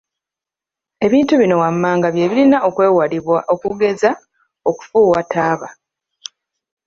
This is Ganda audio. Ebintu bino wammanga bye birina okwewalibwa okugeza; okufuuwa taaba,